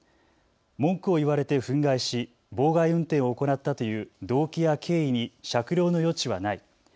文句を言われて憤慨し妨害運転を行ったという動機や経緯に酌量の余地はない。